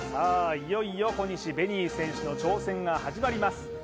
いよいよ小西紅偉選手の挑戦が始まります